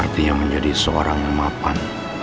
artinya menjadi seorang yang mapan